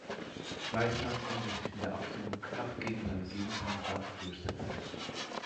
Fleissner konnte sich in der Abstimmung knapp gegen seine Gegenkandidaten durchsetzen.